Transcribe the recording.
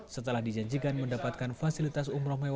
setelah dijanjikan mendapatkan fasilitas umroh bersama first travel